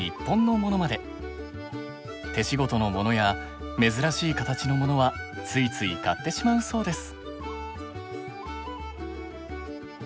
手仕事のものや珍しい形のものはついつい買ってしまうそうです。